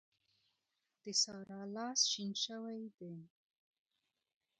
د سارا لاس شين شوی دی.